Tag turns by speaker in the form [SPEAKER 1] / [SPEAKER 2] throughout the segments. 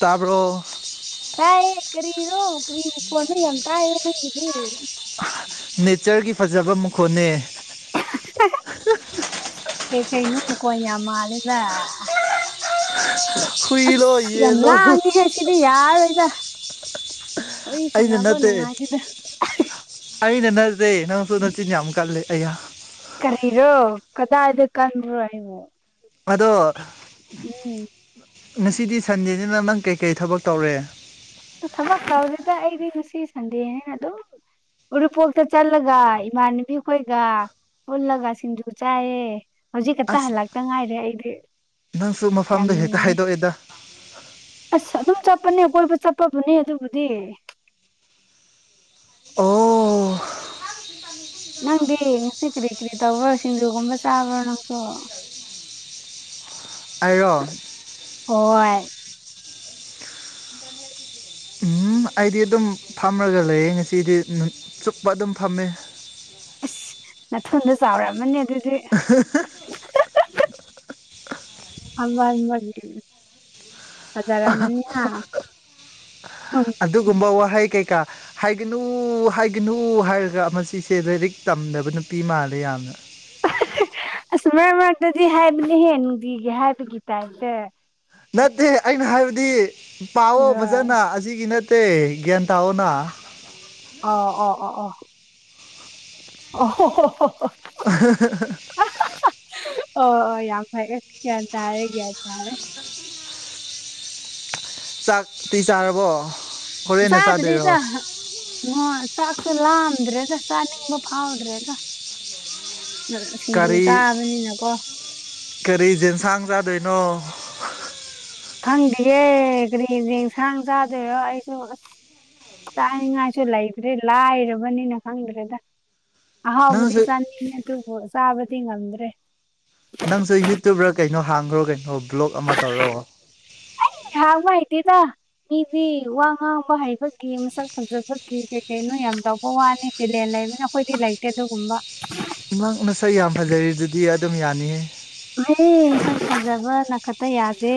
[SPEAKER 1] ꯇꯥꯕ꯭ꯔꯣ
[SPEAKER 2] ꯇꯥꯏꯌꯦ ꯀꯔꯤꯔꯣ ꯀꯔꯤ ꯃꯈꯣꯟꯅꯣ ꯌꯥꯝ ꯇꯥꯏꯌꯦ ꯅꯪꯒꯤꯗꯤ
[SPEAKER 1] ꯅꯦꯆꯔꯒꯤ ꯐꯖꯕ ꯃꯈꯣꯟꯅꯦ
[SPEAKER 2] ꯀꯩꯀꯩꯅꯣ ꯃꯈꯣꯟ ꯌꯥꯝ ꯃꯥꯜꯂꯦꯗ
[SPEAKER 1] ꯍꯨꯏꯂꯣ
[SPEAKER 2] ꯑꯁ ꯌꯥꯝ
[SPEAKER 1] ꯌꯦꯜꯂꯣ
[SPEAKER 2] ꯂꯥꯡꯉꯦꯍꯦ ꯁꯤꯗꯤ ꯌꯥꯔꯔꯣꯏꯗ ꯋꯥꯔꯤ
[SPEAKER 1] ꯑꯩꯅ
[SPEAKER 2] ꯁꯥꯟꯅꯕ
[SPEAKER 1] ꯅꯠꯇꯦ
[SPEAKER 2] ꯅꯨꯡꯉꯥꯏꯇꯦꯗ
[SPEAKER 1] ꯑꯩꯅ ꯅꯠꯇꯦ ꯅꯪꯁꯨ ꯅꯆꯤꯟ ꯌꯥꯝ ꯀꯜꯂꯦ ꯑꯩꯌꯥ
[SPEAKER 2] ꯀꯔꯤꯔꯣ ꯀꯗꯥꯏꯗ ꯀꯟꯕ꯭ꯔꯣ ꯑꯩꯕꯨ
[SPEAKER 1] ꯑꯗꯣ
[SPEAKER 2] ꯎꯝ
[SPEAKER 1] ꯉꯁꯤꯗꯤ ꯁꯟꯗꯦꯅꯤꯅ ꯅꯪ ꯀꯩꯀꯩ ꯊꯕꯛ ꯇꯧꯔꯦ
[SPEAKER 2] ꯊꯕꯛ ꯇꯧꯗꯦꯗꯥ ꯑꯩꯗꯤ ꯉꯁꯤ ꯁꯟꯗꯦꯅꯤꯅ ꯑꯗꯨꯝ ꯎꯔꯤꯄꯣꯛꯇ ꯆꯠꯂꯒ ꯏꯃꯥꯟꯅꯕꯤꯈꯣꯏꯒ ꯄꯨꯜꯂꯒ ꯁꯤꯡꯖꯨ ꯆꯥꯏꯌꯦ ꯍꯧꯖꯤꯛ ꯈꯛꯇ
[SPEAKER 1] ꯑꯁ
[SPEAKER 2] ꯍꯜꯂꯛꯇ ꯉꯥꯏꯔꯤ ꯑꯩꯗꯤ
[SPEAKER 1] ꯅꯪꯁꯨ
[SPEAKER 2] ꯌꯥꯝ
[SPEAKER 1] ꯃꯐꯝꯗꯣ ꯍꯦꯛꯇ
[SPEAKER 2] ꯅꯨꯡꯉꯥꯏꯌꯦ
[SPEAKER 1] ꯍꯥꯏꯗꯣꯛꯑꯦꯗ
[SPEAKER 2] ꯑꯁ ꯑꯗꯨꯝ ꯆꯠꯄꯅꯦ ꯀꯣꯏꯕ ꯆꯠꯄꯕꯨꯅꯦ ꯑꯗꯨꯕꯨꯗꯤ
[SPEAKER 1] ꯑꯣ
[SPEAKER 2] ꯅꯪꯗꯤ ꯉꯁꯤ ꯀꯔꯤ ꯀꯔꯤ ꯇꯧꯕ꯭ꯔꯣ ꯁꯤꯡꯖꯨꯒꯨꯝꯕ ꯆꯥꯕ꯭ꯔꯣ ꯅꯪꯁꯨ [inaudible]
[SPEAKER 1] ꯑꯩꯔꯣ
[SPEAKER 2] ꯍꯣꯏ
[SPEAKER 1] ꯎꯝ ꯑꯩꯗꯤ ꯑꯗꯨꯝ ꯐꯝꯔꯒ ꯂꯩꯌꯦ ꯉꯁꯤꯗꯤ ꯆꯨꯞꯄ ꯑꯗꯨꯝ ꯐꯝꯃꯦ
[SPEAKER 2] ꯑꯁ ꯅꯥꯊꯨꯟꯗꯣ ꯆꯥꯎꯃꯝꯃꯥꯅꯤ ꯑꯗꯨꯗꯤ ꯑꯃ [unintelligible] ꯐꯖꯔꯝꯃꯅꯤ ꯍꯥ
[SPEAKER 1] ꯑꯗꯨꯒꯨꯝꯕ ꯋꯥꯍꯩ ꯀꯩꯀꯥ ꯍꯥꯏꯒꯅꯨ ꯍꯥꯏꯒꯅꯨ ꯍꯥꯏꯔꯒ ꯃꯁꯤꯁꯦ ꯂꯥꯏꯔꯤꯛ ꯇꯝꯗꯕ ꯅꯨꯄꯤ ꯃꯥꯜꯂꯦ ꯌꯥꯝꯅ
[SPEAKER 2] ꯑꯁ ꯃꯔꯛ ꯃꯔꯛꯇꯗꯤ ꯍꯥꯏꯕꯅꯦꯍꯦ ꯅꯨꯡꯇꯤꯒꯤ ꯍꯥꯏꯕꯒꯤ ꯇꯥꯏꯞꯇ
[SPEAKER 1] ꯅꯠꯇꯦ ꯑꯩꯅ ꯍꯥꯏꯕꯗꯤ ꯄꯥꯑꯣ
[SPEAKER 2] ꯍꯣꯏ
[SPEAKER 1] ꯐꯖꯅ ꯑꯁꯤꯒꯤ ꯅꯠ ꯇꯦ ꯒꯟꯇꯥꯎꯑꯣꯅ
[SPEAKER 2] ꯑꯣ ꯑꯣ ꯑꯣ ꯑꯣ ꯑꯣ
[SPEAKER 1] [unintelligible]
[SPEAKER 2] ꯑꯣ ꯑꯣ ꯌꯥꯝ ꯐꯩꯌꯦ ꯒ꯭ꯌꯥꯟ ꯇꯥꯔꯦ ꯒ꯭ꯌꯥꯟ ꯇꯥꯔꯦ
[SPEAKER 1] ꯆꯥꯛꯇꯤ ꯆꯥꯔꯕꯣ ꯍꯣꯔꯦꯟꯅ ꯆꯥꯗꯣꯏꯔꯣ
[SPEAKER 2] ꯆꯥꯗ꯭ꯔꯤꯗ [unintelligible] ꯆꯥꯛꯁꯨ ꯂꯥꯝꯗ꯭ꯔꯦꯗ ꯆꯥꯅꯤꯡꯕ ꯐꯥꯎꯗ꯭ꯔꯦꯗ ꯁꯤꯡꯖꯨ
[SPEAKER 1] ꯀꯔꯤ
[SPEAKER 2] ꯆꯥꯕꯅꯤꯅꯀꯣ
[SPEAKER 1] ꯀꯔꯤ ꯖꯦꯟꯁꯥꯡ ꯆꯥꯗꯣꯏꯅꯣ
[SPEAKER 2] ꯈꯪꯗ꯭ꯤꯌꯦ ꯀꯔꯤ ꯌꯦꯟꯁꯥꯡ ꯆꯥꯗꯣꯏꯔꯣ ꯑꯩꯁꯨ ꯑꯁ ꯆꯥꯅꯤꯡꯉꯥꯏꯁꯨ ꯂꯩꯇ꯭ꯔꯦ ꯂꯥꯏꯔꯕꯅꯤꯅ ꯈꯪꯗ꯭ꯔꯦꯗ
[SPEAKER 1] ꯅꯪꯁꯨ
[SPEAKER 2] ꯑꯍꯥꯎꯕꯗꯤ ꯆꯥꯅꯤꯡꯉꯦ ꯑꯗꯨꯕꯨ ꯆꯕꯗꯤ ꯉꯝꯗ꯭ꯔꯦ
[SPEAKER 1] ꯅꯪꯁꯨ ꯌꯨꯇꯨꯕꯔ ꯀꯩꯅꯣ ꯍꯥꯡꯒꯔꯣ ꯀꯩꯅꯣ ꯕ꯭ꯂꯣꯛ ꯑꯃ ꯇꯧꯔꯣ
[SPEAKER 2] ꯑꯩ ꯉꯥꯡꯕ ꯍꯩꯇꯦꯗ ꯃꯤꯗꯤ ꯋꯥ ꯉꯥꯡꯕ ꯍꯩꯕꯒꯤ ꯃꯁꯛ ꯐꯖꯕꯒꯤ ꯀꯩ ꯀꯩꯅꯣ ꯌꯥꯝ ꯇꯧꯕ ꯋꯥꯅꯦ ꯇꯤꯂꯦꯟ ꯂꯩꯕꯅꯤꯅ ꯑꯩꯈꯣꯏꯗꯤ ꯂꯩꯇꯦ ꯑꯗꯨꯒꯨꯝꯕ
[SPEAKER 1] ꯅꯪ ꯅꯁꯛ ꯌꯥꯝ ꯐꯖꯔꯤꯗꯨꯗꯤ ꯑꯗꯨꯝ ꯌꯥꯅꯤꯌꯦ
[SPEAKER 2] [unintelligible] ꯁꯛꯐꯖꯕꯅ ꯈꯥꯇ ꯌꯥꯗꯦ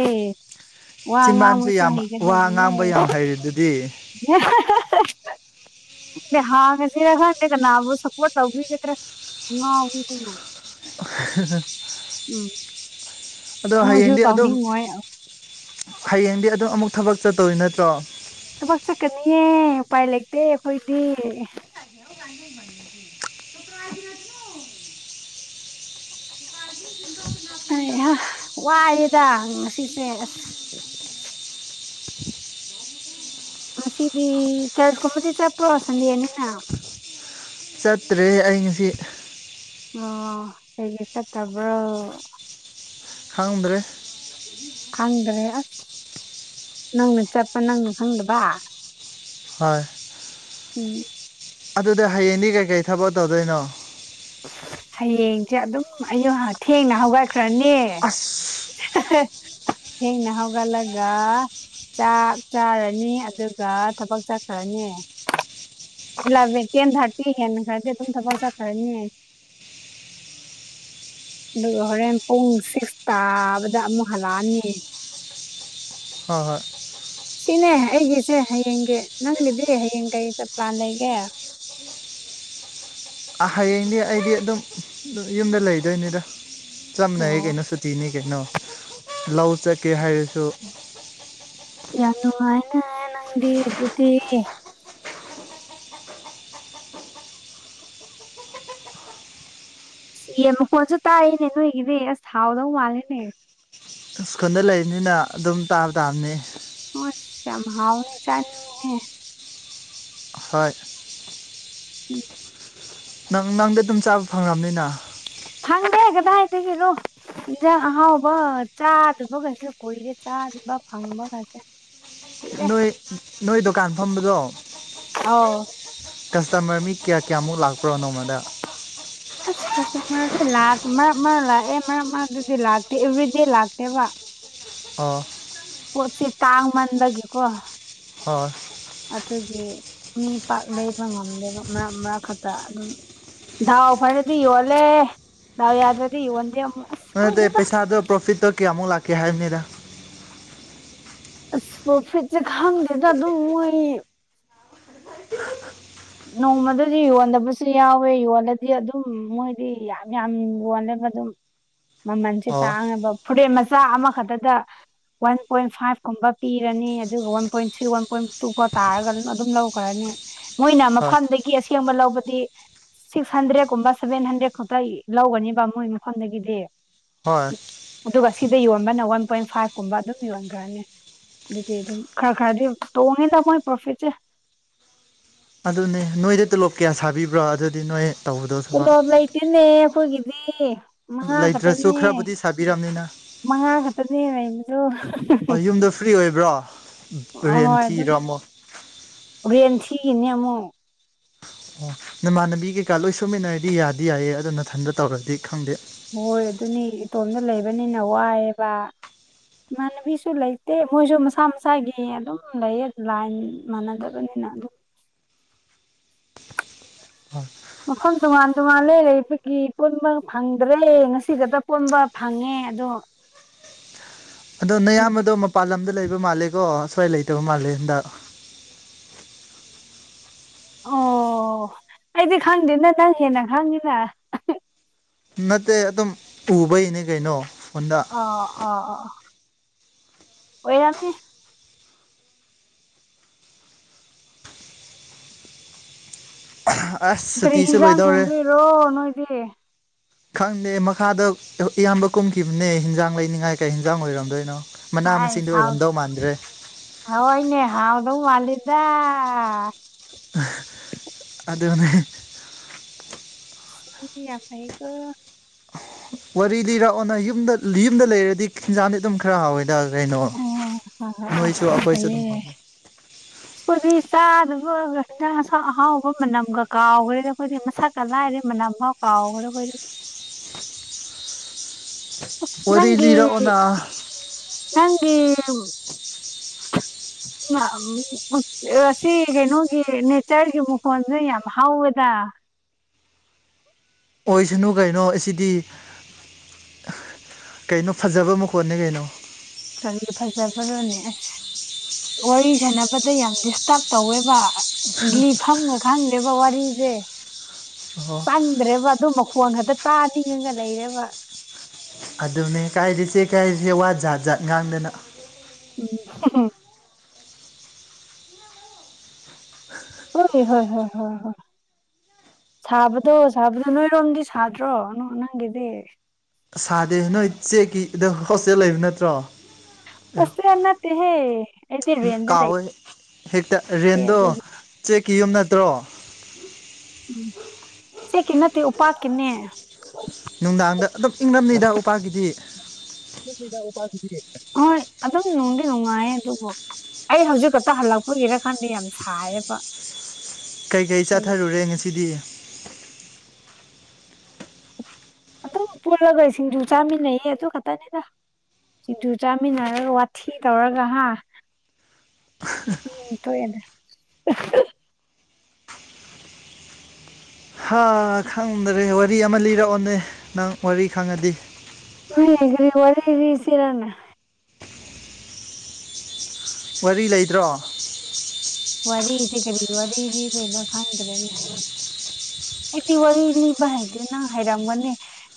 [SPEAKER 2] ꯋꯥ
[SPEAKER 1] ꯆꯤꯝꯕꯥꯟꯁꯨ
[SPEAKER 2] ꯉꯥꯡꯕꯁꯨ
[SPEAKER 1] ꯌꯥꯝ ꯋꯥ
[SPEAKER 2] ꯍꯩꯒꯗꯕꯅꯦ
[SPEAKER 1] ꯉꯥꯡꯕ ꯌꯥꯝ ꯍꯩꯔꯤꯗꯨꯗꯤ
[SPEAKER 2] [unintelligible] ꯍꯥꯡꯉꯥꯁꯤꯔ ꯈꯪꯗꯦ ꯀꯅꯥꯕꯨ ꯁꯞꯄꯣꯔ ꯇꯧꯕꯤꯒꯗꯔ ꯉꯥꯎꯕꯤꯒꯨꯝꯅ
[SPEAKER 1] [unintelligible]
[SPEAKER 2] ꯎꯝ
[SPEAKER 1] ꯑꯗꯣ
[SPEAKER 2] ꯃꯣꯏꯁꯨ
[SPEAKER 1] ꯍꯌꯦꯡꯗꯤ ꯑꯗꯨꯝ
[SPEAKER 2] ꯇꯧꯅꯤꯡꯉꯣꯏ
[SPEAKER 1] ꯍꯌꯦꯡꯗꯤ ꯑꯗꯨ ꯑꯃꯨꯛ ꯊꯕꯛ ꯆꯠꯇꯣꯔꯤ ꯅꯠꯇ꯭ꯔꯣ
[SPEAKER 2] ꯊꯕꯛ ꯆꯠꯀꯅꯤꯌꯦ ꯎꯄꯥꯏ ꯂꯩꯇꯦ ꯑꯩꯈꯣꯏꯗꯤ
[SPEAKER 1] [unintelligible]
[SPEAKER 2] ꯍꯩ ꯍꯥ ꯋꯥꯑꯦꯗ ꯉꯁꯤꯁꯦ ꯑꯁ ꯉꯁꯤꯗꯤ ꯆꯔꯖ ꯀꯨꯝꯕꯗꯤ ꯆꯠꯄ꯭ꯔꯣ ꯁꯟꯗꯦꯅꯤꯅ
[SPEAKER 1] ꯆꯠꯇ꯭ꯔꯦ ꯑꯩ ꯉꯁꯤ
[SPEAKER 2] ꯑꯣ ꯀꯩꯒꯤ ꯆꯠꯇꯕ꯭ꯔꯣ
[SPEAKER 1] ꯈꯪꯗ꯭ꯔꯦ
[SPEAKER 2] ꯈꯪꯗ꯭ꯔꯦ ꯑꯁ ꯅꯪꯅ ꯆꯠꯄ ꯅꯪꯅ ꯈꯪꯗꯕ
[SPEAKER 1] ꯍꯣꯏ
[SPEAKER 2] ꯎꯝ
[SPEAKER 1] ꯑꯗꯨꯗꯤ ꯍꯌꯦꯡꯗꯤ ꯀꯩꯀꯩ ꯊꯕꯛ ꯇꯧꯗꯣꯏꯅꯣ
[SPEAKER 2] ꯍꯌꯦꯡꯁꯦ ꯑꯗꯨꯝ ꯑꯩ ꯑꯌꯨꯛ ꯊꯦꯡꯅ ꯍꯧꯒꯠꯈ꯭ꯔꯅꯤ
[SPEAKER 1] ꯑꯁ
[SPEAKER 2] ꯊꯦꯡꯅ ꯍꯧꯒꯠꯂꯒ ꯆꯥꯛ ꯆꯥꯔꯅꯤ ꯑꯗꯨꯒ ꯊꯕꯛ ꯆꯠꯈ꯭ꯔꯅꯤ ꯏꯂꯚꯦꯟ ꯇꯦꯟ ꯊꯥꯔꯇꯤ ꯍꯦꯟꯈ꯭ꯔꯗꯤ ꯑꯗꯨꯝ ꯊꯕꯛ ꯆꯠꯈ꯭ꯔꯅꯤ ꯑꯗꯨꯒ ꯍꯣꯔꯦꯟ ꯄꯨꯡ ꯁꯤꯛꯁ ꯇꯥꯕꯗ ꯑꯃꯨꯛ ꯍꯜꯂꯛꯑꯅꯤ
[SPEAKER 1] ꯍꯣꯏ ꯍꯣꯏ
[SPEAKER 2] ꯁꯤꯅꯦ ꯑꯩꯒꯤꯁꯦ ꯍꯌꯦꯡꯒꯤ ꯅꯪꯒꯤꯗꯤ ꯍꯌꯦꯡ ꯀꯩ ꯆꯠꯄ ꯄꯂꯥꯟ ꯂꯩꯒꯦ
[SPEAKER 1] ꯍꯌꯦꯡꯗꯤ ꯑꯩꯗꯤ ꯑꯗꯨꯝ ꯌꯨꯝꯗ ꯂꯩꯗꯣꯏꯅꯤꯗ ꯆꯞ ꯃꯥꯅꯩꯌꯦ
[SPEAKER 2] ꯑꯣ
[SPEAKER 1] ꯀꯩꯅꯣ ꯁꯨꯠ ꯇꯤꯅꯤ ꯀꯩꯅꯣ ꯂꯧ ꯆꯠꯀꯦ ꯍꯥꯏꯔꯁꯨ
[SPEAKER 2] ꯌꯥꯝ ꯅꯨꯡꯉꯥꯏꯅꯦ ꯅꯪꯗꯤ ꯑꯗꯨꯗꯤ ꯌꯦꯟ ꯃꯈꯣꯟꯁꯨ ꯇꯥꯏꯅꯦ ꯅꯣꯏꯒꯗꯤ ꯑꯁ ꯍꯥꯎꯗꯧ ꯃꯥꯜꯂꯦꯅꯦ
[SPEAKER 1] ꯏꯁ꯭ꯀꯨꯜꯗ ꯂꯩꯕꯅꯤꯅ ꯑꯗꯨꯝ ꯇꯥꯕ ꯇꯥꯕꯅꯤ
[SPEAKER 2] ꯑꯁ ꯌꯥꯝ ꯍꯥꯎꯅꯤ ꯆꯥꯅꯤꯡꯉꯦꯍꯦ
[SPEAKER 1] ꯍꯣꯏ
[SPEAKER 2] ꯎꯝ
[SPEAKER 1] ꯅꯪ ꯅꯪꯗꯤ ꯑꯗꯨꯝ ꯆꯥꯕ ꯐꯪꯂꯝꯅꯤꯅ
[SPEAKER 2] ꯐꯪꯗꯦ ꯀꯗꯥꯏꯗꯒꯤꯔꯣ ꯌꯦꯟꯖꯥꯡ ꯑꯍꯥꯎꯕ ꯆꯥꯗꯕꯒꯁꯦ ꯀꯨꯏꯔꯦ ꯆꯥꯗꯕ ꯐꯪꯕꯒꯁꯦ ꯀꯨꯏꯔꯦ
[SPEAKER 1] ꯅꯣꯏ ꯅꯣꯏ ꯗꯨꯀꯥꯟ ꯐꯝꯕꯗꯣ
[SPEAKER 2] ꯑꯥꯎ
[SPEAKER 1] ꯀꯁꯇꯃꯔ ꯃꯤ ꯀꯌꯥ ꯀꯌꯥꯃꯨꯛ ꯂꯥꯛꯄ꯭ꯔꯣ ꯅꯣꯡꯃꯗ
[SPEAKER 2] ꯑꯁ ꯀꯁꯇꯃꯔꯗꯤ ꯂꯥꯛ ꯃꯔꯛ ꯃꯔꯛ ꯂꯥꯛꯑꯦ ꯃꯔꯛ ꯃꯔꯛꯇꯗꯤ ꯂꯥꯛꯇꯦ ꯑꯦꯕ꯭ꯔꯤꯗꯦ ꯂꯥꯛꯇꯦꯕ
[SPEAKER 1] ꯑꯣ
[SPEAKER 2] ꯄꯣꯠꯁꯤ ꯇꯥꯡꯃꯟꯕꯒꯤꯀꯣ
[SPEAKER 1] ꯍꯣꯏ
[SPEAKER 2] ꯑꯗꯨꯒꯤ ꯃꯤ ꯄꯥꯛ ꯂꯩꯕ ꯉꯝꯗꯦꯕ ꯃꯔꯛ ꯃꯔꯛ ꯈꯛꯇ ꯑꯗꯨꯝ ꯗꯥꯎ ꯐ꯭ꯔꯗꯤ ꯌꯣꯜꯂꯦ ꯂꯦ ꯗꯥꯎ ꯌꯥꯗ꯭ꯔꯗꯤ ꯌꯣꯟꯗꯦ ꯑꯃꯐꯧ
[SPEAKER 1] ꯅꯠꯇꯦ ꯄꯩꯁꯥꯗꯣ ꯄ꯭ꯔꯣꯐꯤꯠꯇꯣ ꯀꯌꯥꯃꯨꯛ ꯂꯥꯛꯀꯦ ꯍꯥꯏꯕꯅꯤꯗ
[SPEAKER 2] ꯑꯁ ꯄ꯭ꯔꯣꯐꯤꯠꯁꯦ ꯈꯪꯗꯦꯗ ꯑꯗꯨꯝ ꯃꯣꯏ ꯅꯣꯡꯃꯗꯗꯤ ꯌꯣꯟꯗꯕꯁꯨ ꯌꯥꯎꯋꯦ ꯌꯣꯜꯂꯗꯤ ꯑꯗꯨꯝ ꯃꯣꯏꯗꯤ ꯌꯥꯝ ꯌꯥꯝ ꯌꯣꯜꯂꯦꯕ ꯑꯗꯨꯝ ꯃꯃꯜꯁꯦ
[SPEAKER 1] ꯑꯣ
[SPEAKER 2] ꯇꯥꯡꯉꯦꯕ ꯐꯨꯔꯤꯠ ꯃꯆꯥ ꯑꯃꯈꯛꯇꯗ ꯋꯥꯟ ꯄꯣꯏꯟ ꯐꯥꯏꯚ ꯀꯨꯝꯕ ꯄꯤꯔꯅꯤ ꯑꯗꯨꯒ one point three one point two ꯐꯥꯎ ꯇꯥꯔꯒ ꯑꯗꯨ ꯑꯗꯨꯝ ꯂꯧ ꯈꯔꯅꯤ ꯃꯣꯏꯅ
[SPEAKER 1] ꯍꯣꯏ
[SPEAKER 2] ꯃꯐꯝꯗꯒꯤ ꯑꯁꯦꯡꯕ ꯂꯧꯕꯗꯤ ꯁꯤꯛꯁ ꯍꯟꯗ꯭ꯔꯦꯠꯀꯨꯝꯕ ꯁꯚꯦꯟ ꯍꯟꯗ꯭ꯔꯦꯗ ꯈꯛꯇ ꯂꯧꯒꯅꯦꯕ ꯃꯣꯏ ꯃꯐꯝꯗꯒꯤꯗꯤ
[SPEAKER 1] ꯍꯣꯏ
[SPEAKER 2] ꯑꯗꯨꯒ ꯁꯤꯗ ꯌꯣꯟꯕꯅ ꯋꯥꯟ ꯄꯣꯏꯟ ꯐꯥꯏꯚ ꯀꯨꯝꯕ ꯑꯗꯨꯝ ꯌꯣꯟꯈ꯭ꯔꯅꯤ ꯑꯗꯨꯗꯤ ꯑꯗꯨꯝ ꯈꯔ ꯈꯔꯗꯤ ꯇꯣꯡꯉꯤꯗ ꯃꯣꯏ ꯄ꯭ꯔꯣꯐꯤꯠꯁꯦ
[SPEAKER 1] ꯑꯗꯨꯅꯦ ꯅꯣꯏꯗ ꯇꯣꯂꯣꯞ ꯀꯌꯥ ꯁꯥꯕꯤꯕ꯭ꯔꯣ ꯑꯗꯨꯗꯤ ꯅꯣꯏ ꯇꯧꯕꯗꯣ ꯊꯕꯛ
[SPEAKER 2] ꯇꯣꯂꯣꯞ ꯂꯩꯇꯦꯅꯦ ꯑꯩꯈꯣꯏꯒꯤꯗꯤ
[SPEAKER 1] ꯑꯗꯨ
[SPEAKER 2] ꯃꯉꯥ
[SPEAKER 1] ꯂꯩꯇ꯭ꯔꯁꯨ
[SPEAKER 2] ꯈꯛꯇꯅꯦ
[SPEAKER 1] ꯈꯔꯕꯨꯗꯤ ꯁꯥꯕꯤꯔꯝꯅꯤꯅ
[SPEAKER 2] ꯃꯉꯥ ꯈꯛꯇꯅꯦ ꯂꯩꯕꯗꯨ
[SPEAKER 1] ꯌꯨꯝꯗ ꯐ꯭ꯔꯤ ꯑꯣꯏꯕ꯭ꯔꯣ ꯔꯦꯟ
[SPEAKER 2] ꯑꯍꯣꯏ ꯑꯗꯨꯝ
[SPEAKER 1] ꯊꯤꯔꯤꯔꯣ ꯑꯃꯨꯛ
[SPEAKER 2] ꯔꯦꯟ ꯊꯤꯔꯤꯅꯦ ꯑꯃꯨꯛ
[SPEAKER 1] ꯑꯣ ꯅꯃꯥꯟꯅꯕꯤ ꯀꯩꯀꯥ ꯂꯣꯏ ꯁꯨꯃꯤꯟꯅꯔꯗꯤ ꯌꯥꯗꯤ ꯌꯥꯏꯌꯦ ꯑꯗꯨ ꯅꯊꯟꯗ ꯇꯧꯔꯗꯤ ꯈꯪꯗꯦ
[SPEAKER 2] ꯍꯣꯏ ꯑꯗꯨꯅꯤ ꯏꯇꯣꯝꯇ ꯂꯩꯕꯅꯤꯅ ꯋꯥꯏꯌꯦꯕ ꯏꯃꯥꯟꯅꯕꯤꯁꯨ ꯂꯩꯇꯦ ꯃꯣꯏꯁꯨ ꯃꯁꯥ ꯃꯁꯥꯒꯤ ꯑꯗꯨꯝ ꯂꯩꯌꯦ ꯂꯥꯏꯟ ꯃꯥꯟꯅꯗꯕꯅꯤꯅ ꯑꯗꯨꯝ ꯃꯐꯝ ꯇꯣꯉꯥꯟ ꯇꯣꯉꯥꯟꯂꯦ ꯑꯩꯈꯣꯏꯒꯤ ꯄꯨꯟꯕ ꯐꯪꯗ꯭ꯔꯦ ꯉꯁꯤꯒꯗ ꯄꯨꯟꯕ ꯐꯪꯉꯦ ꯑꯗꯣ [inaudible]
[SPEAKER 1] ꯑꯗꯣ
[SPEAKER 2] ꯎꯝ
[SPEAKER 1] ꯅꯌꯥꯝꯕꯗꯣ ꯃꯄꯥꯟ ꯂꯝꯗ ꯂꯩꯕ ꯃꯥꯜꯂꯦꯀꯣ ꯁ꯭ꯋꯥꯏ ꯂꯩꯇꯕ ꯃꯥꯜꯂꯦ ꯍꯟꯗꯛ
[SPEAKER 2] ꯑꯣ ꯑꯩꯗꯤ ꯈꯪꯗꯦꯅꯦ ꯅꯪ ꯍꯦꯟꯅ ꯈꯪꯉꯤꯅ
[SPEAKER 1] ꯅꯠꯇꯦ ꯑꯗꯨꯝ ꯎꯕꯩꯅꯤ ꯀꯩꯅꯣ ꯐꯣꯟꯗ
[SPEAKER 2] ꯑꯥ ꯑꯥ ꯑꯥ ꯑꯣꯏꯔꯝꯅꯤ
[SPEAKER 1] [unintelligible]
[SPEAKER 2] ꯀꯔꯤ
[SPEAKER 1] ꯁꯨꯇꯤꯁꯨ
[SPEAKER 2] ꯍꯤꯟꯖꯥꯡ
[SPEAKER 1] ꯂꯣꯏꯗꯧꯔꯦ
[SPEAKER 2] ꯊꯣꯡꯗꯣꯏꯔꯣ ꯅꯣꯏꯗꯤ
[SPEAKER 1] ꯈꯪꯗꯦ ꯃꯈꯥꯗ ꯏꯌꯥꯝꯕ ꯀꯨꯝꯈꯤꯕꯅꯦ ꯍꯤꯟꯖꯥꯡ ꯂꯩꯅꯤꯡꯉꯥꯏ ꯀꯩ ꯍꯤꯟꯖꯥꯡ ꯑꯣꯏꯔꯝꯗꯣꯏꯅꯣ ꯃꯅꯥ
[SPEAKER 2] ꯍꯥꯏꯁ
[SPEAKER 1] ꯃꯁꯤꯡꯗꯤ
[SPEAKER 2] ꯍꯥꯎ
[SPEAKER 1] ꯑꯣꯏꯔꯝꯗꯧ ꯃꯥꯟꯗ꯭ꯔꯦ
[SPEAKER 2] ꯍꯋꯥꯏꯅꯦ ꯍꯥꯎꯗꯧ ꯃꯥꯟꯂꯦꯗꯥ
[SPEAKER 1] [unintelligible] ꯑꯗꯨꯅꯦ
[SPEAKER 2] ꯑꯗꯨꯗꯤ ꯌꯥꯝ ꯐꯩꯌꯦꯀꯣ
[SPEAKER 1] ꯋꯥꯔꯤ ꯂꯤꯔꯛꯑꯣꯅ ꯌꯨꯝꯗ ꯌꯨꯝꯗ ꯂꯩꯔꯗꯤ ꯍꯤꯟꯖꯥꯡꯗꯤ ꯑꯗꯨꯝ ꯈꯔ ꯍꯥꯎꯋꯦꯗ ꯀꯩꯅꯣ
[SPEAKER 2] ꯑꯣ ꯍꯣꯏ ꯍꯣꯏ
[SPEAKER 1] ꯅꯣꯏꯁꯨ
[SPEAKER 2] ꯌꯥꯝ
[SPEAKER 1] ꯑꯩꯈꯣꯏꯁꯨ ꯑꯗꯨꯝ
[SPEAKER 2] ꯐꯩꯌꯦ
[SPEAKER 1] ꯐꯪ
[SPEAKER 2] [inaudible] ꯑꯩꯈꯣꯏꯗꯤ ꯆꯥꯗꯕ ꯍꯤꯟꯖꯥꯡꯁꯨ ꯑꯍꯥꯎꯕ ꯃꯅꯝꯒ ꯀꯥꯎꯈ꯭ꯔꯦꯗ ꯑꯩꯈꯣꯏꯗꯤ ꯃꯁꯛꯀ ꯂꯥꯏꯔꯤ ꯃꯅꯝ ꯐꯥꯎ ꯀꯥꯎꯒ꯭ꯔꯦ ꯑꯩꯈꯣꯏꯗꯤ ꯑꯁ
[SPEAKER 1] ꯋꯥꯔꯤ
[SPEAKER 2] ꯅꯪꯒꯤ
[SPEAKER 1] ꯂꯤꯔꯛꯑꯣꯅ
[SPEAKER 2] ꯅꯪꯒꯤ [unintelligible] ꯁꯤ ꯀꯩꯅꯣꯒꯤ ꯅꯦꯆꯔꯒꯤ ꯃꯈꯣꯟꯁꯦ ꯌꯥꯝ ꯍꯧꯋꯦꯗ
[SPEAKER 1] ꯑꯣꯏꯁꯅꯨ ꯀꯩꯅꯣ ꯑꯁꯤꯗꯤ ꯀꯩꯅꯣ ꯐꯖꯕ ꯃꯈꯣꯟꯅꯦ ꯀꯩꯅꯣ
[SPEAKER 2] ꯀꯔꯤꯒꯤ ꯐꯖꯕꯔꯣꯅꯦ ꯑꯁ ꯋꯥꯔꯤ ꯁꯥꯟꯅꯕꯗ ꯌꯥꯝ ꯗꯤꯁꯇꯔꯕ ꯇꯧꯋꯦꯕ ꯂꯤꯐꯝꯒ ꯈꯪꯗꯦꯕ ꯋꯥꯔꯤꯁꯦ
[SPEAKER 1] ꯑꯣ
[SPEAKER 2] ꯆꯟꯗ꯭ꯔꯦꯕ ꯑꯗꯨ ꯃꯈꯣꯟ ꯈꯛꯇ ꯇꯥꯅꯤꯡꯉꯒ ꯂꯩꯔꯦꯕ
[SPEAKER 1] ꯑꯗꯨꯅꯦ ꯀꯥꯏꯔꯤꯁꯦ ꯀꯥꯏꯔꯤꯁꯦ ꯋꯥ ꯖꯥꯠ ꯖꯥꯠ ꯉꯥꯡꯗꯅ
[SPEAKER 2] ꯎꯝ [unintelligible] ꯍꯣꯏ ꯍꯣꯏ ꯍꯣꯏ ꯍꯣꯏ ꯍꯣꯏ ꯁꯥꯕꯗꯣ ꯁꯥꯕꯗꯣ ꯅꯣꯏꯔꯣꯝꯗꯤ ꯁꯥꯗ꯭ꯔꯣ ꯅꯪꯒꯤꯗꯤ
[SPEAKER 1] ꯁꯥꯗꯦ ꯅꯣꯏ ꯆꯦꯛꯀꯤ ꯑꯗꯣ ꯍꯣꯁꯇꯦꯜ ꯂꯩꯕ ꯅꯠꯇ꯭ꯔꯣ ꯑꯦ
[SPEAKER 2] ꯍꯣꯁꯇꯦꯜ ꯅꯠꯇꯦꯍꯦ ꯑꯩꯗꯤ ꯔꯦꯟꯗ ꯂꯩ
[SPEAKER 1] ꯀꯥꯎꯋꯦ ꯍꯦꯛꯇ ꯔꯦꯟꯗꯣ ꯆꯦꯛꯀꯤ ꯌꯨꯝ ꯅꯠꯇ꯭ꯔꯣ
[SPEAKER 2] ꯆꯦꯛꯀꯤ ꯅꯠꯇꯦ ꯎꯄꯥꯛꯀꯤꯅꯦ
[SPEAKER 1] ꯅꯨꯡꯗꯥꯡꯗ ꯑꯗꯨꯝ ꯏꯪꯡꯂꯝꯅꯤꯗ ꯎꯄꯥꯛꯀꯤꯗꯤ
[SPEAKER 2] ꯏꯪꯂꯝꯅꯤꯗ ꯎꯄꯥꯛꯒꯤꯗꯤ ꯍꯣꯏ ꯑꯗꯨꯝ ꯅꯨꯡꯗꯤ ꯅꯨꯡꯉꯥꯏ ꯑꯗꯨꯕꯨ ꯑꯩ ꯍꯧꯖꯤꯛ ꯈꯛꯇ ꯍꯜꯂꯛꯄꯒꯤꯔ ꯈꯪꯗꯦ ꯌꯥꯝ ꯁꯥꯏꯌꯦꯕ
[SPEAKER 1] ꯀꯩꯀꯩ
[SPEAKER 2] ꯑꯩ
[SPEAKER 1] ꯆꯥꯠꯊꯔꯨꯔꯦ ꯉꯁꯤꯗꯤ
[SPEAKER 2] ꯑꯗꯨꯝ ꯄꯨꯜꯂꯒ ꯁꯤꯡꯖꯨ ꯆꯥꯃꯤꯟꯅꯩꯌꯦ ꯑꯗꯨ ꯈꯛꯇꯅꯤꯗ ꯁꯤꯡꯖꯨ ꯆꯥꯃꯤꯟꯅꯔꯒ ꯋꯥꯊꯤ ꯇꯧꯔꯒ ꯍꯥ ꯎꯝ ꯇꯣꯛꯑꯦꯅꯦ
[SPEAKER 1] ꯍꯥ ꯈꯪꯗ꯭ꯔꯦ ꯋꯥꯔꯤ ꯑꯃ ꯂꯤꯔꯛꯑꯣꯅꯦ ꯅꯪ ꯋꯥꯔꯤ ꯈꯪꯉꯗꯤ
[SPEAKER 2] ꯀ꯭ꯔꯤ ꯀ꯭ꯔꯤ ꯋꯥꯔꯤ ꯂꯤꯁꯤꯔꯅꯦ
[SPEAKER 1] ꯋꯥꯔꯤ ꯂꯩꯇꯔꯣ
[SPEAKER 2] ꯋꯥꯔꯤꯁꯤ ꯀꯔꯤ ꯋꯥꯔꯤ ꯂꯤꯗꯣꯏꯅꯣ ꯈꯪꯗ꯭ꯔꯦꯅꯦ ꯑꯩꯗꯤ ꯋꯥꯔꯤ ꯂꯤꯕ ꯍꯥꯏꯇꯦ ꯅꯪ ꯍꯥꯏꯔꯝꯒꯅꯤ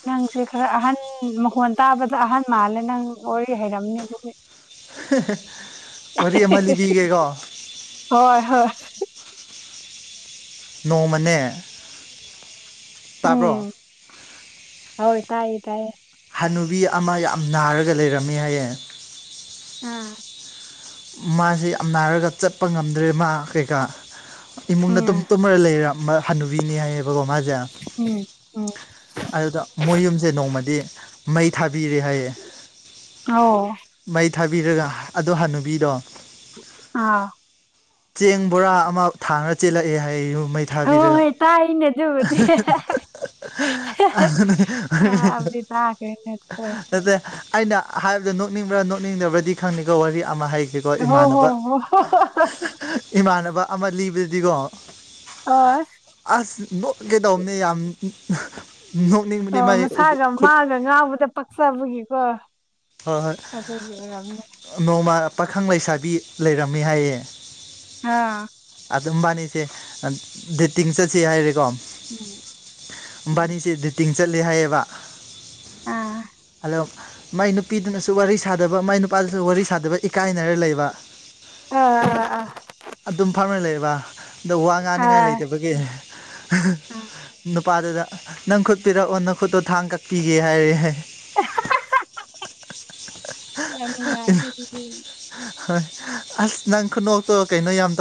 [SPEAKER 2] ꯅꯪꯁꯦ ꯈꯔ ꯑꯍꯟ ꯃꯈꯣꯟ ꯇꯥꯕꯗ ꯑꯍꯟ ꯃꯥꯜꯂꯦ ꯅꯪ ꯋꯥꯔꯤ ꯍꯩꯔꯝꯅꯤ ꯑꯗꯨꯒꯤ
[SPEAKER 1] [unintelligible] ꯋꯥꯔꯤ ꯑꯃ ꯂꯤꯕꯤꯒꯦꯀꯣ
[SPEAKER 2] ꯍꯣꯏ ꯍꯣꯏ
[SPEAKER 1] ꯅꯣꯡꯃꯅꯦ ꯇꯥꯕ꯭ꯔꯣ
[SPEAKER 2] ꯎꯝ ꯍꯣꯏ ꯇꯥꯏꯌꯦ ꯇꯥꯏꯌꯦ
[SPEAKER 1] ꯍꯅꯨꯕꯤ ꯑꯃ ꯌꯥꯝ ꯅꯥꯔꯒ ꯂꯩꯔꯝꯃꯤ ꯍꯥꯏꯌꯦ
[SPEAKER 2] ꯎꯝ
[SPEAKER 1] ꯃꯁꯦ ꯌꯥꯝ ꯅꯔꯒ ꯆꯠꯄ ꯉꯝꯗ꯭ꯔꯦ ꯃꯥ ꯀꯩꯀꯥ ꯏꯃꯨꯡꯗ ꯇꯨꯝ
[SPEAKER 2] ꯎꯝ
[SPEAKER 1] ꯇꯨꯝꯃꯔ ꯂꯩꯔꯝ ꯍꯥꯟꯅꯨꯕꯤꯅꯦ ꯍꯥꯏꯌꯦꯕꯀꯣ ꯃꯖꯦ
[SPEAKER 2] ꯎꯝ ꯎꯝ
[SPEAKER 1] ꯑꯗꯨꯗ ꯃꯣꯏ ꯌꯨꯝꯁꯦ ꯅꯣꯡꯃꯗꯤ ꯃꯩ ꯊꯕꯤꯔꯦ ꯍꯥꯏꯌꯦ
[SPEAKER 2] ꯑꯧ
[SPEAKER 1] ꯃꯩ ꯊꯕꯤꯔꯒ ꯑꯗꯨ ꯍꯟꯅꯨꯕꯤꯗꯣ
[SPEAKER 2] ꯑꯥ
[SPEAKER 1] ꯆꯦꯡ ꯕꯣꯔꯥ ꯑꯃ ꯊꯥꯡꯉ ꯆꯦꯜꯂꯛꯑꯦ ꯍꯥꯏꯋꯦ ꯌꯨꯝ ꯃꯩ
[SPEAKER 2] ꯑꯣ
[SPEAKER 1] ꯊꯥꯕꯤꯔꯒ
[SPEAKER 2] ꯍꯣꯏ ꯇꯥꯏꯅꯦ ꯑꯗꯨꯕꯨꯗꯤ [unintelligible]
[SPEAKER 1] ꯅꯠꯇꯦ ꯑꯩꯅ ꯍꯥꯏꯕꯗ ꯅꯣꯛꯅꯤꯡꯕ꯭ꯔꯥ ꯅꯣꯛꯅꯤꯡꯗꯕ꯭ꯔꯗꯤ ꯈꯪꯗꯦꯀꯣ ꯋꯥꯔꯤ ꯑꯃ ꯍꯥꯒꯦꯀꯣ ꯏꯃꯥꯟꯅꯕ
[SPEAKER 2] ꯑꯣ [unintelligible]
[SPEAKER 1] ꯏꯃꯥꯟꯅꯕ ꯑꯃ ꯂꯤꯕꯗꯗꯤꯀꯣ
[SPEAKER 2] ꯑꯣꯏ
[SPEAKER 1] ꯑꯁ ꯅꯣꯛꯀꯦ ꯇꯧꯕꯅꯤ ꯌꯥꯝ ꯅꯣꯛꯅꯤꯡꯕꯅꯦ ꯃꯥꯏ ꯈꯨꯠ
[SPEAKER 2] ꯈꯔ ꯉꯥꯡꯕꯗ ꯄꯛꯆꯕꯒꯤꯀꯣ
[SPEAKER 1] ꯍꯣꯏ ꯍꯣꯏ
[SPEAKER 2] ꯑꯗꯨꯒꯤ ꯑꯣꯏꯔꯝꯅꯤ
[SPEAKER 1] ꯅꯣꯡꯃ ꯄꯈꯪ ꯂꯩꯁꯥꯕꯤ ꯂꯩꯔꯝꯃꯦ ꯍꯥꯏꯌꯦ
[SPEAKER 2] ꯑꯥ
[SPEAKER 1] ꯑꯗꯨꯝ ꯃꯕꯥꯅꯤꯁꯦ ꯗꯦꯇꯤꯡ ꯆꯠꯁꯦ ꯍꯥꯏꯔꯦꯀꯣ
[SPEAKER 2] ꯎꯝ ꯎꯝ
[SPEAKER 1] ꯃꯕꯥꯅꯤꯁꯦ ꯗꯦꯇꯤꯡ ꯆꯠꯂꯦ ꯍꯥꯏꯌꯦꯕ
[SPEAKER 2] ꯑꯥ
[SPEAKER 1] ꯑꯗ ꯃꯥꯏ ꯅꯨꯄꯤꯗꯨꯅꯁꯨ ꯋꯥꯔꯤ ꯁꯥꯗꯕ ꯃꯥꯏ ꯅꯨꯄꯥꯗꯨꯅꯁꯨ ꯋꯥꯔꯤ ꯁꯥꯗꯕ ꯏꯀꯥꯏꯅꯔ ꯂꯩꯕ
[SPEAKER 2] ꯑꯥ ꯑꯥ ꯑꯥ
[SPEAKER 1] ꯑꯗꯨꯝ ꯐꯝꯔꯥ ꯂꯩꯕ ꯑꯗꯣ ꯋꯥ
[SPEAKER 2] ꯍꯥꯏ
[SPEAKER 1] ꯉꯥꯡꯅꯤꯉꯥꯏ ꯂꯩꯇꯕꯒꯤ
[SPEAKER 2] ꯑꯥ
[SPEAKER 1] ꯅꯨꯄꯥꯗꯨꯗ ꯅꯪ ꯈꯨꯠꯄꯤꯔꯛꯑꯣ ꯅꯪ ꯈꯨꯠꯇꯣ ꯊꯥꯡ ꯀꯛꯄꯤꯒꯦ ꯍꯥꯏꯔꯦ ꯍꯥꯏ
[SPEAKER 2] ꯌꯥꯝ ꯅꯨꯡꯉꯥꯏ ꯑꯗꯨꯗꯤ
[SPEAKER 1] ꯍꯣꯏ ꯑꯁ ꯅꯪ ꯈꯨꯅꯣꯛꯇꯣ ꯀꯩꯅꯣ ꯌꯥꯝ